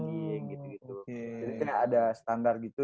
jadi kita ada standar gitu